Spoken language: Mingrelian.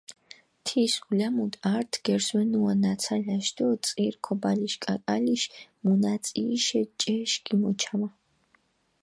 თის ულამუდჷ ართ გერზვენუა ნაცალაშ დო წირ ქობალიშ კაკალიშ მუნაწიიშე ჭეშ გიმოჩამა.